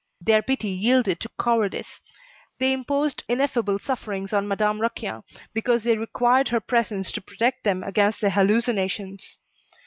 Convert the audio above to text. Their pity yielded to cowardice. They imposed ineffable sufferings on Madame Raquin because they required her presence to protect them against their hallucinations.